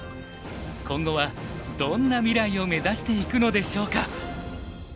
今後はどんな未来を目指していくのでしょうか。